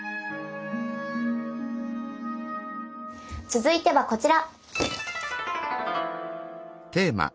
続いてはこちら。